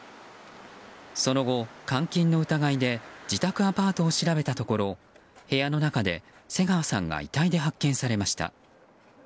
その後、監禁の疑いで自宅アパートを調べたところ部屋の中で瀬川さんが遺体で発見されました。